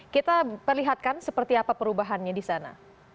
kita perlihatkan seperti apa perubahannya di sana